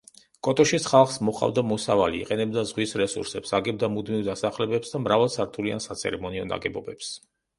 კოტოშის ხალხს მოჰყავდა მოსავალი, იყენებდა ზღვის რესურსებს, აგებდა მუდმივ დასახლებებს და მრავალსართულიან საცერემონიო ნაგებობებს.